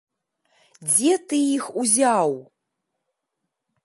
Дзе ты іх узяў?